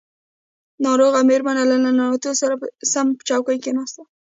ناروغه مېرمن له ننوتو سم په څوکۍ کښېناسته.